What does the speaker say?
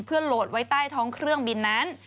เพื่อโหลดไว้ใต้ท้องเครื่องบินนั้น